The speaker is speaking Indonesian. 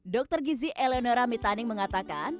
dr gizi eleonora mitaning mengatakan